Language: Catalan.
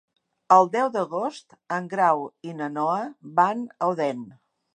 El deu d'agost en Grau i na Noa van a Odèn.